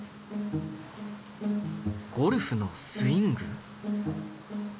ゴルフのスイング？